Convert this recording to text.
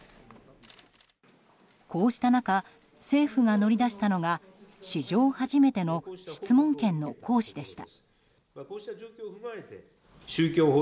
こうした中政府が乗り出したのが史上初めての質問権の行使でした。